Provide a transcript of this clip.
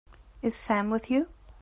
Is Sam with you?